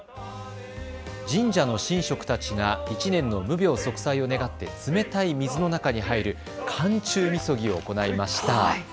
神社の神職たちが１年の無病息災を願って冷たい水の中に入る寒中みそぎを行いました。